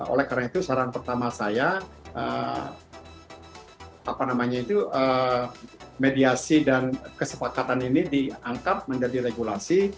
oleh karena itu saran pertama saya mediasi dan kesepakatan ini diangkat menjadi regulasi